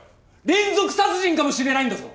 連続殺人かもしれないんだぞ！